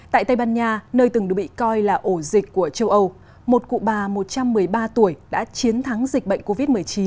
tại tây ban nha nơi từng được bị coi là ổ dịch của châu âu một cụ bà một trăm một mươi ba tuổi đã chiến thắng dịch bệnh covid một mươi chín